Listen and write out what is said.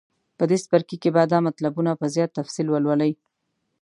په دې څپرکي کې به دا مطلبونه په زیات تفصیل ولولئ.